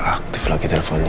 nggak aktif lagi telep mistik